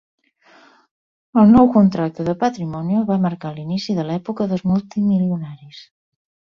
El nou contracte de Patrimonio va marcar l'inici de l'època dels multimilionaris.